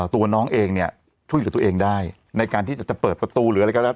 ตัวน้องเองเนี่ยช่วยเหลือตัวเองได้ในการที่จะเปิดประตูหรืออะไรก็แล้ว